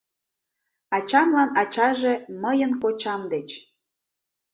Ачамлан — ачаже, мыйын кочам, деч.